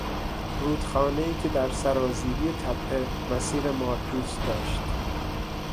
رودخانهای که در سرازیری تپه مسیر مارپیچ داشت